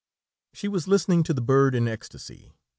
She was listening to the bird in ecstasy.